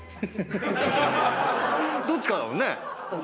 どっちかだもんね。